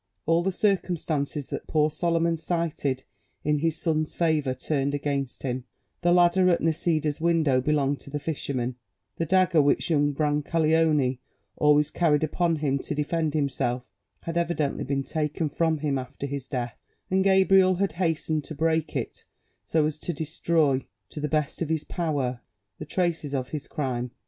All the circumstances that poor Solomon cited in his son's favour turned against him: the ladder at Nisida's window belonged to the fisherman; the dagger which young Brancaleone always carried upon him to defend himself had evidently been taken from him after his death, and Gabriel had hastened to break it, so as to destroy, to the best of his power, the traces of his crime.